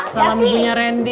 salam punya rendy